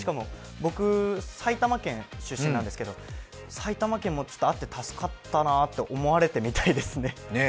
僕、埼玉県出身なんですけど、埼玉県もあって助かったなって思われてみたいですね。